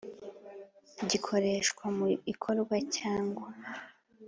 gikoreshwa mu ikorwa cyangwa